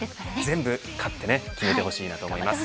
全部勝ちにいってほしいなと思います。